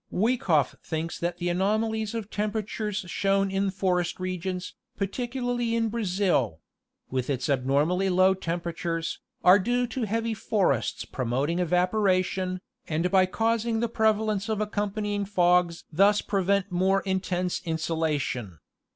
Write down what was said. Woiekoff thinks that the anomalies of temperatures shown in forest regions, particularly in Brazil—with its abnormally low temperatures, are due to heavy forests promoting evaporation, aud by causing the prevalence of accompanying fogs thus pre vent more intense insolation.